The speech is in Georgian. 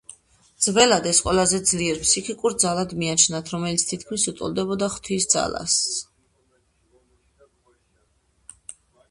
ძველად, ეს ყველაზე ძლიერ ფსიქიკურ ძალად მიაჩნდათ, რომელიც თითქმის უტოლდებოდა ღვთის ძალას.